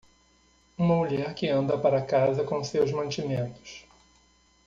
Uma mulher que anda para casa com seus mantimentos.